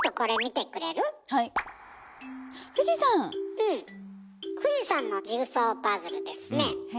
富士山のジグソーパズルですね。